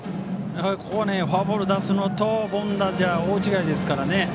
ここはフォアボール出すのと凡打じゃ大違いですからね。